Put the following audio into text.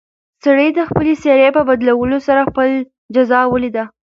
سړي د خپلې څېرې په بدلولو سره خپله جزا ولیده.